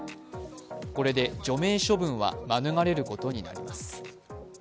これで除名処分は免れることになります。